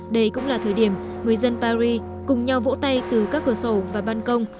đây cũng là thời điểm người dân paris cùng nhau vỗ tay từ các cửa sổ và ban công